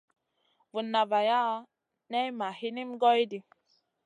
Vunna vaya nay ma hinim goy ɗi.